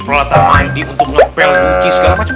perlu datang mandi untuk ngepel buki segala macam